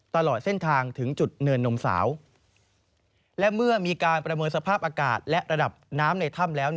ตลอดเส้นทางถึงจุดเนินนมสาว